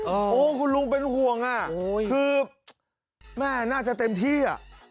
โอ้โหคุณลุงเป็นห่วงอ่ะคือแม่น่าจะเต็มที่อ่ะ